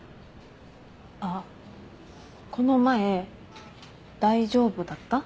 あっこの前大丈夫だった？